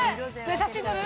写真撮る？